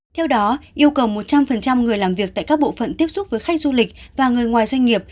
theo đó yêu cầu một trăm linh người làm việc tại các bộ phận tiếp xúc với khách du lịch và người ngoài doanh nghiệp